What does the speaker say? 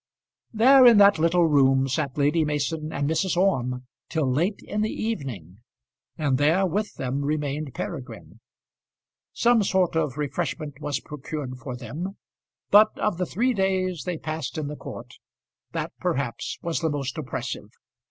There, in that little room, sat Lady Mason and Mrs. Orme till late in the evening, and there, with them, remained Peregrine. Some sort of refreshment was procured for them, but of the three days they passed in the court, that, perhaps, was the most oppressive.